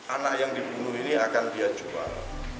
anak yang dibunuh ini akan dia jual